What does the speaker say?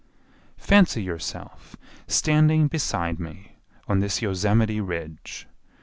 Fancy yourself standing beside me on this Yosemite Ridge.